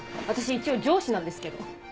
私一応上司なんですけど。